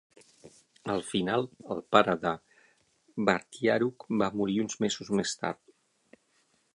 Al final, el pare de Barkyaruq va morir uns mesos més tard.